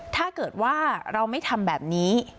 ถ้าเกิดว่าเราไม่ทำแบบนี้